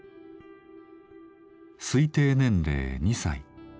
推定年齢２歳。